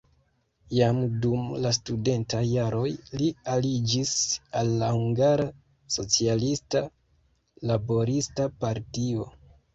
Jam dum la studentaj jaroj li aliĝis al la Hungara Socialista Laborista Partio.